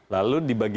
lalu dibagi lima